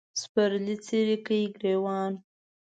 سپرلي څیرې کړ ګرېوان